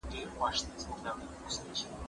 کېدای سي کتاب اوږد وي